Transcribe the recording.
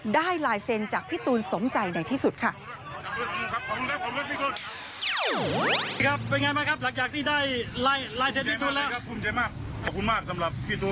ลายเซ็นต์จากพี่ตูนสมใจในที่สุดค่ะ